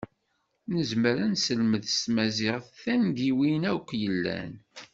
Nezmer ad neselmed s tmaziɣt tangiwin akk yellan.